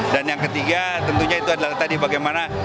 dan yang ketiga tentunya itu adalah tadi bagaimana